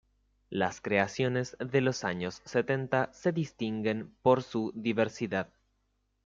Las creaciones de los años setenta se distinguen por su diversidad.